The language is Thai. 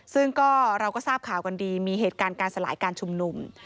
ซึ่งก็เราก็ทราบข่าวกันดีมีเหตุการณ์การสลายการชุมนุม